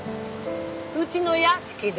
うちの屋敷で？